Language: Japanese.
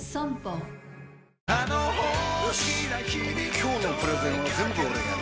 今日のプレゼンは全部俺がやる！